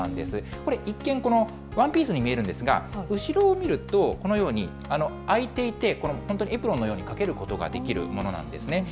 これ、一見、ワンピースに見えるんですが、後ろを見るとこのように開いていて、本当にエプロンのようにかけることができるものなんですね。